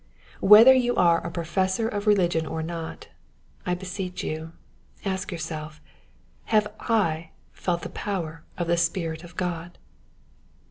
Whether you are a professor of religion or not, I beseech you, ask yourself — Have I felt the power of tlie Spirit of God